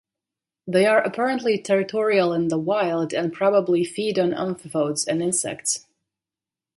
They are apparently territorial in the wild, and probably feed on amphipods and insects.